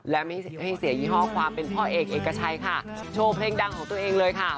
และไม่ให้เสียยี่ห้อความเป็นพ่อเอกเอกชัยค่ะโชว์เพลงดังของตัวเองเลยค่ะ